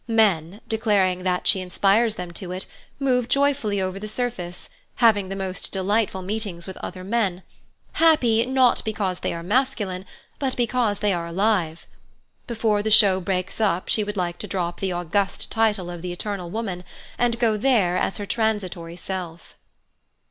Men, declaring that she inspires them to it, move joyfully over the surface, having the most delightful meetings with other men, happy, not because they are masculine, but because they are alive. Before the show breaks up she would like to drop the august title of the Eternal Woman, and go there as her transitory self.